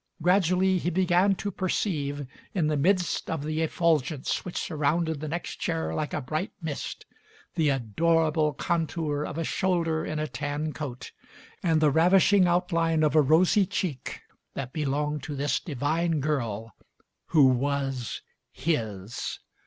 Gradually he began to perceive, in the midst of the effulgence which surrounded the next chair like a bright mist, the adorable contour of a shoulder in a tan coat and the ravishing outline of a rosy cheek that belonged to this divine girl who was his.